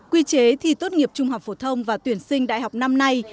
quy chế thi tốt nghiệp trung học phổ thông và tuyển sinh đại học năm nay